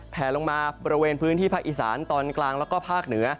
แผลลงมาบริเวณพื้นที่ภาคอีสานตอนกลางแล้วก็ภาคเหนือ